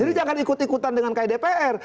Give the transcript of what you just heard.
jadi jangan ikut ikutan dengan kayak dpr